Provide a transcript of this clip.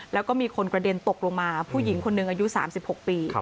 แล้วก็มีคนกระเด็นตกลงมาผู้หญิงคนหนึ่งอายุ๓๖ปี